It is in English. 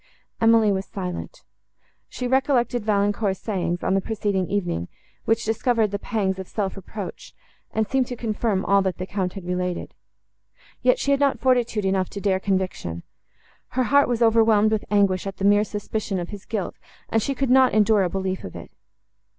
Emily was silent. She recollected Valancourt's sayings, on the preceding evening, which discovered the pangs of self reproach, and seemed to confirm all that the Count had related. Yet she had not fortitude enough to dare conviction. Her heart was overwhelmed with anguish at the mere suspicion of his guilt, and she could not endure a belief of it.